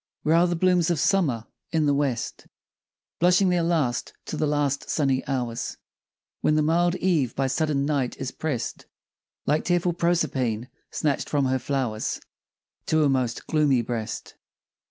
Where are the blooms of Summer? In the west, Blushing their last to the last sunny hours. When the mild Eve by sudden Night is prest Like tearful Proserpine, snatch'd from her flow'rs To a most gloomy breast.